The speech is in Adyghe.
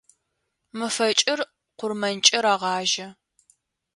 Мэфэкӏыр къурмэнкӏэ рагъажьэ.